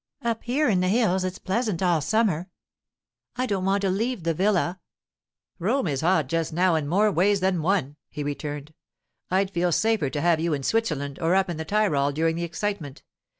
Up here in the hills it's pleasant all summer. I don't want to leave the villa.' 'Rome is hot just now in more ways than one,' he returned. 'I'd feel safer to have you in Switzerland or up in the Tyrol during the excitement.